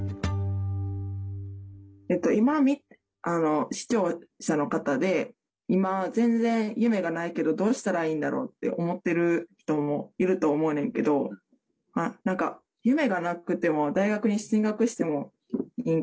今視聴者の方で今全然夢がないけどどうしたらいいんだろうって思ってる人もいると思うねんけどほんまにそう。